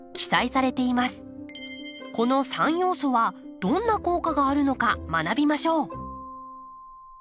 この三要素はどんな効果があるのか学びましょう。